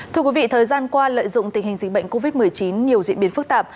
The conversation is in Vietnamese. thưa quý vị thời gian qua lợi dụng tình hình dịch bệnh covid một mươi chín nhiều diễn biến phức tạp